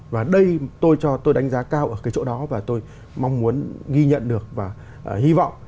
và đây tôi cho tôi đánh giá cao ở cái chỗ đó và tôi mong muốn ghi nhận được và hy vọng